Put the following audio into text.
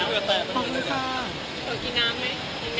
อ่าครับจริงป่ะครับ